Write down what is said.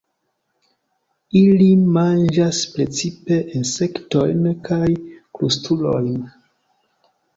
Ili manĝas precipe insektojn kaj krustulojn.